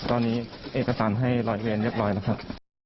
ตอนนี้เอกสารให้ร้อยเวนเรียบร้อยแล้วครับ